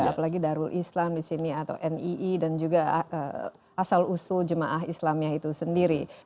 apalagi darul islam di sini atau nii dan juga asal usul jemaah islamiyah itu sendiri